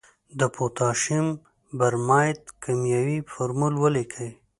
د پوتاشیم برماید کیمیاوي فورمول ولیکئ.